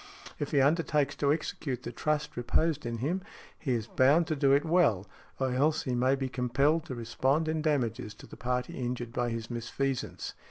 If he undertakes to execute the trust reposed in him, he is bound to do it well, or else he may be compelled to respond in damages to the party injured by his misfeasance.